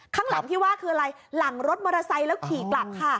ข้างหลังที่ว่าคืออะไรหลังรถมอเตอร์ไซค์แล้วขี่กลับค่ะ